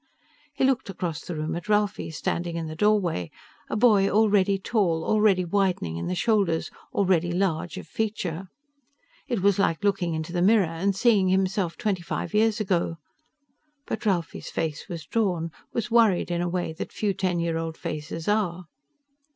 _ He looked across the room at Ralphie, standing in the doorway, a boy already tall, already widening in the shoulders, already large of feature. It was like looking into the mirror and seeing himself twenty five years ago. But Ralphie's face was drawn, was worried in a way that few ten year old faces are.